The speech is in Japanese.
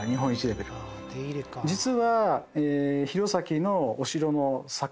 実は。